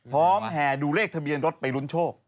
แห่ดูเลขทะเบียนรถไปลุ้นโชค